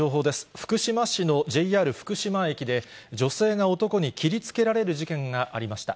福島市のＪＲ福島駅で、女性が男に切りつけられる事件がありました。